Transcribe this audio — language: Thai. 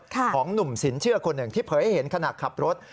ของหนุ่มสินเชื่อคนหนึ่งที่เผยให้เห็นขณะขับรถ